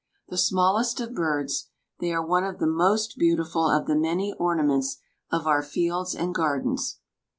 The smallest of birds, they are one of the most beautiful of the many ornaments of our fields and gardens.